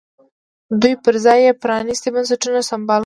دوی پر ځای یې پرانیستي بنسټونه سمبال کړل.